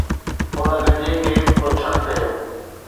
ان گنجي کي تو ڇا ڪيو؟